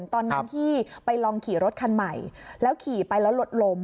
ตอนนั้นที่ไปลองขี่รถคันใหม่แล้วขี่ไปแล้วรถล้ม